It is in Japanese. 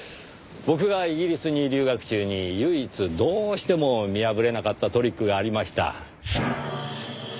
僕がイギリスに留学中に唯一どうしても見破れなかったトリックがありました。